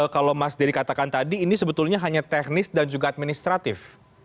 kalau mas dedy katakan tadi ini sebetulnya hanya teknis dan juga administratif